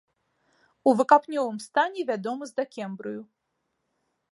У выкапнёвым стане вядомы з дакембрыю.